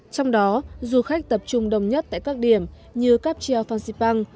trong đó du khách tập trung đông nhất tại các điểm như cap chiao phan xipang